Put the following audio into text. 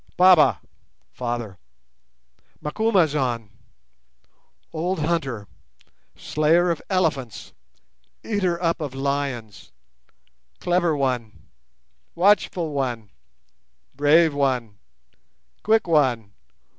Baba! (father) Macumazahn, old hunter, slayer of elephants, eater up of lions, clever one! watchful one! brave one! quick one!